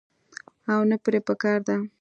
او نۀ پرې پکار ده -